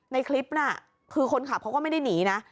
ในคลิปน่ะคือคนขับเขาก็ไม่ได้หนีนะ